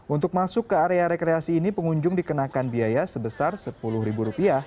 untuk masuk ke area rekreasi ini pengunjung dikenakan biaya sebesar rp sepuluh